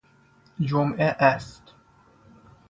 جمعه است.